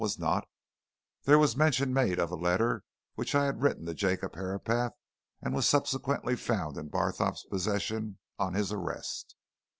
was not, there was mention made of a letter which I had written to Jacob Herapath and was subsequently found in Barthorpe's possession, on his arrest.